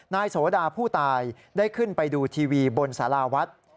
นายโสดาผู้ตายได้ขึ้นไปดูทีวีบนสาราวัด